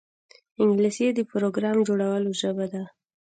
انګلیسي د پروګرام جوړولو ژبه ده